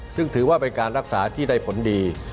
ซึ่งถือว่าเป็นการรักษาที่ได้ผลดี